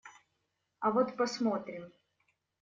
А вот посмотрим!